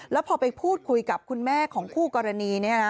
แล้วพอไปพูดคุยกับคุณแม่ของคู่กรณี